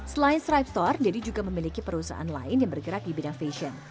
selain stripe store dedy juga memiliki perusahaan lain yang bergerak di bidang fashion